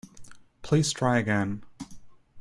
Please try again.